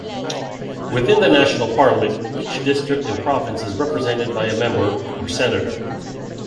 Within the National Parliament, each district and province is represented by a member, or senator.